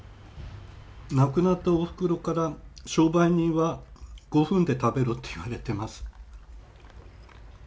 亡くなったおふくろから「商売人は５分で食べろ」って言われてます。